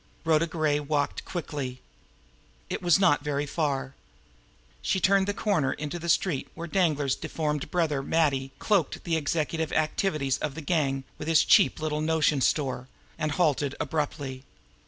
Rhoda Gray walked quickly. It was not very far. She turned the corner into the street where Danglar's deformed brother, Matty, cloaked the executive activities of the gang with his cheap little notion store and halted abruptly.